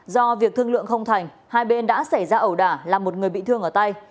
do việc thương lượng không thành hai bên đã xảy ra ẩu đả làm một người bị thương ở tay